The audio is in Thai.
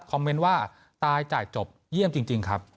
เมนต์ว่าตายจ่ายจบเยี่ยมจริงครับ